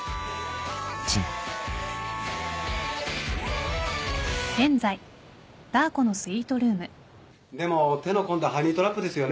陳」でも手の込んだハニートラップですよね。